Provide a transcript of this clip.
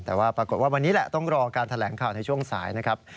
แต่ว่าปรากฏว่าวันนี้แหละต้องรอการแถลงข่าวในช่วงสายนะครับ